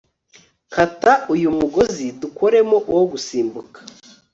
Kata uyu mugozi dukoremo uwo gusimbuka